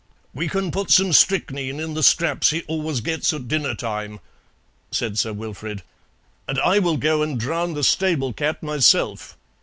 "We can put some strychnine in the scraps he always gets at dinner time," said Sir Wilfrid, "and I will go and drown the stable cat myself.